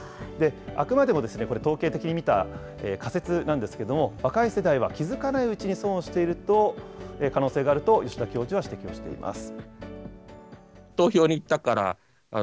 あくまでもこれ、統計的に見た仮説なんですけれども、若い世代は気付かないうちに損をしている可能性があると、吉田教授は指摘をしています。